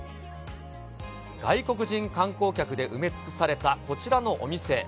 外国人観光客で埋め尽くされたこちらのお店。